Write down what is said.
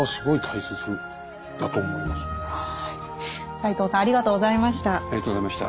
斎藤さんありがとうございました。